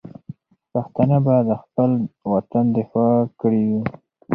پښتانه به د خپل وطن دفاع کړې وي.